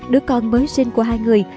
đứa con mới sinh của hai người